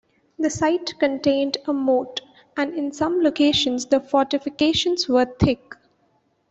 The site contained a moat, and in some locations the fortifications were thick.